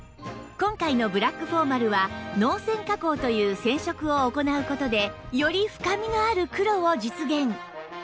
今回のブラックフォーマルは濃染加工という染色を行う事でより深みのある黒を実現